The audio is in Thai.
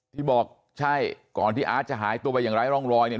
ที่บอกใช่ก่อนที่อาร์ตจะหายตัวไปอย่างไร้ร่องรอยเนี่ย